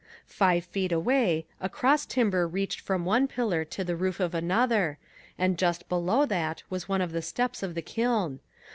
Five feet away a cross timber reached from one pillar of the roof to another, and just below that was one of the steps of the kiln.